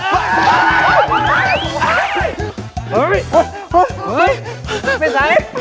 มึงคิดว่าไม่ไส